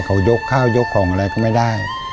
เขายกข้าวยกของอะไรก็ไม่ได้